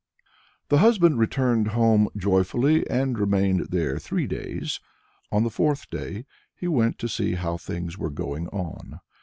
The husband returned home joyfully, and remained there three days; on the fourth day he went to see how things were going on.